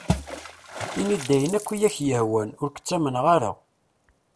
Ini-d ayen akk i ak-yehwan, ur k-ttamneɣ ara.